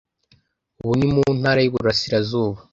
ubu ni mu Ntara y’Iburasirazuba